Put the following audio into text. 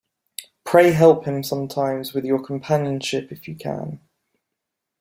Pray help him sometimes with your companionship if you can.